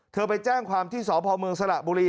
เธอไปแจ้งความที่สพมุสระบุรี